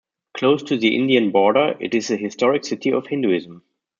Close to the Indian border, it is a historic city of Hinduism.